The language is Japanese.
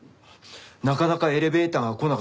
なかなかエレベーターが来なかったし。